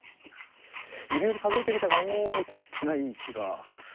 指折り数えてみたがもう残ってない気が。